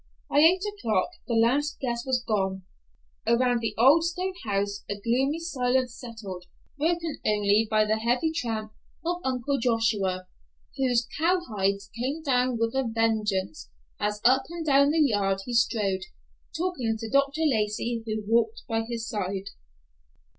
By eight o'clock the last guest was gone. Around the old stone house a gloomy silence settled, broken only by the heavy tramp of Uncle Joshua, whose cowhides came down with a vengeance, as up and down the yard he strode, talking to Dr. Lacey, who walked by his side.